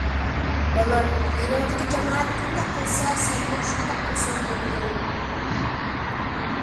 بالام، يېنىڭدىكى جامائەت قانداق قىلسا سەنمۇ شۇنداق قىلساڭ بولىدۇ.